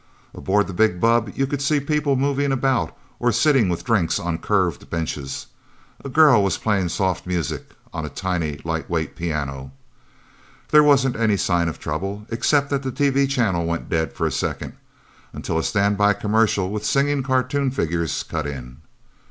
Aboard the big bubb you could see people moving about, or sitting with drinks on curved benches. A girl was playing soft music on a tiny, lightweight piano. There wasn't any sign of trouble except that the TV channel went dead for a second, until a stand by commercial with singing cartoon figures cut in.